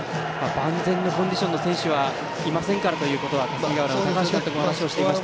万全のコンディションの選手はいませんからということを霞ヶ浦の監督話していました。